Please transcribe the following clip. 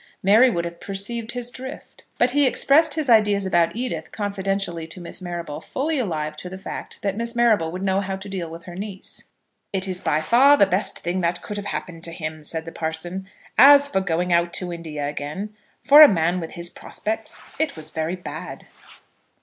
Mary would have perceived his drift. But he expressed his ideas about Edith confidentially to Miss Marrable, fully alive to the fact that Miss Marrable would know how to deal with her niece. "It is by far the best thing that could have happened to him," said the parson. "As for going out to India again, for a man with his prospects it was very bad."